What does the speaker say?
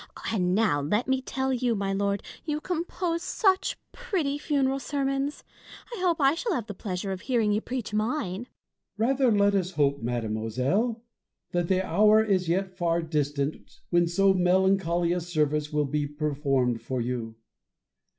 And now let me tell you, my Lord, you compose such pretty funeral sermons, I hope I shall have the pleasure of hearing you preach mine. Bossuet. Rather let us hope, mademoiselle, that the hour is yet far distant when so melancholy a service will be 74 IMAGINARY CONVERSATIONS. performed for you.